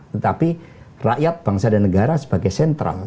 tetapi rakyat bangsa dan negara sebagai sentral